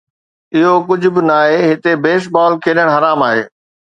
اهو ڪجهه به ناهي، هتي بيس بال کيڏڻ حرام آهي